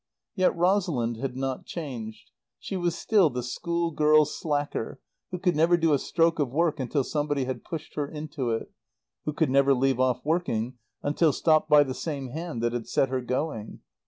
Yet Rosalind had not changed. She was still the school girl slacker who could never do a stroke of work until somebody had pushed her into it, who could never leave off working until stopped by the same hand that had set her going.